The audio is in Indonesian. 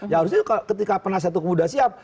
ya harusnya ketika penasihat hukum sudah siap